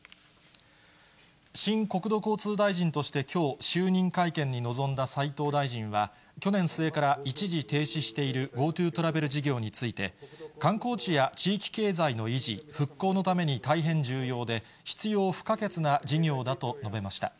新国土交通大臣としてきょう、就任会見に臨んだ斉藤大臣は、去年末から一時停止しているＧｏＴｏトラベル事業について、観光地や地域経済の維持、復興のために大変重要で、必要不可欠な事業だと述べました。